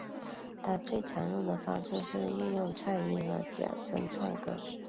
他最常用的方式是运用颤音和假声唱歌。